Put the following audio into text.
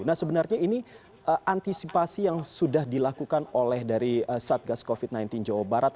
nah sebenarnya ini antisipasi yang sudah dilakukan oleh dari satgas covid sembilan belas jawa barat